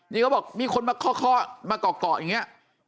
นี่เขาบอกมีคนมาเคาะมาเกาะอย่างนี้